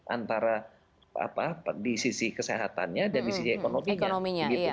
antara di sisi kesehatannya dan di sisi ekonominya